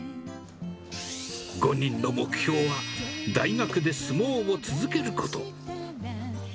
５人の目標は、大学で相撲を続けること。